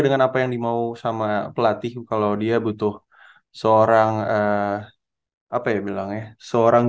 dengan apa yang dimau sama pelatih kalau dia butuh seorang apa ya bilang ya seorang